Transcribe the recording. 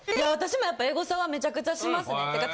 私もやっぱり、エゴサはめちゃくちゃします。